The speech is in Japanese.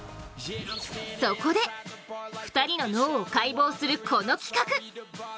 そこで、２人の脳を解剖するこの企画！